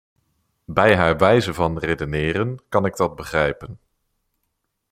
Bij haar wijze van redeneren kan ik dat begrijpen.